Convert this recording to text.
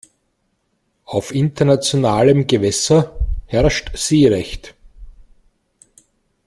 Auf internationalem Gewässer herrscht Seerecht.